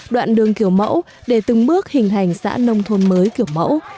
đoạn đường kiểu mẫu để từng bước hình hành xã nông thôn mới kiểu mẫu